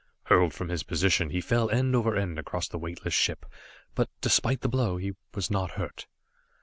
Hurled from his position, he fell end over end across the weightless ship, but despite the blow, he was not hurt.